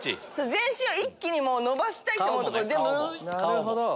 全身を一気に伸ばしたいと思うとこ全部。